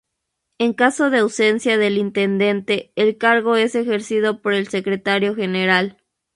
En caso de ausencia del Intendente, el cargo es ejercido por el Secretario General.